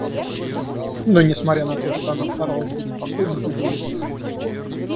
Но, несмотря на то, что она старалась быть спокойна, губы ее тряслись.